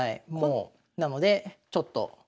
なのでちょっと。